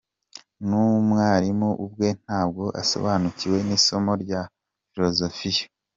"N'umwarimu ubwe ntabwo asobanukiwe n'isomo rya filozofiya.